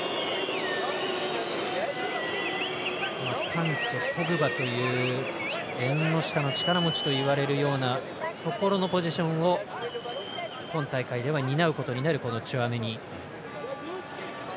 カンテ、ポグバという縁の下の力持ちといわれるようなところのポジションを今大会では担うことになるこのチュアメニ。